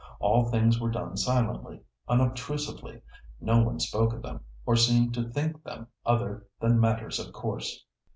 All things were done silently, unobtrusively; no one spoke of them, or seemed to think them other than matters of course.